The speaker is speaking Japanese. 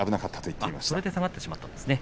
それで下がってしまったんですね。